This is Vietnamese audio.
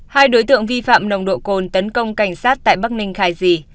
hai đối tượng vi phạm nồng độ cồn tấn công cảnh sát tại bắc ninh khai di